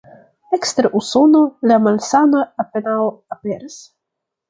Ekster Usono, la malsano apenaŭ aperas.